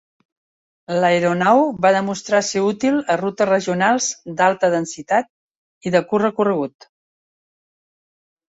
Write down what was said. L"aeronau va demostrar ser útil a rutes regionals d""alta densitat" i de curt recorregut.